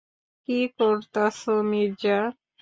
কি করতাসো মির্জা।